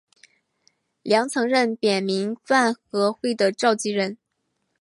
梁曾任泛民饭盒会的召集人。